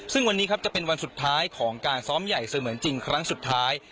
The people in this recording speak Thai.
ซึ่งวันนี้ครับจะเป็นวันสุดท้ายของการซ้อมใหญ่เสมือนจริงครั้งสุดท้าย